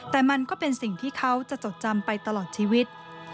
แต่มันก็เป็นสิ่งที่เขาจะจดจำไปตลอดชีวิต